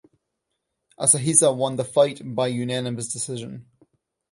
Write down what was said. Asahisa won the fight by unanimous decision.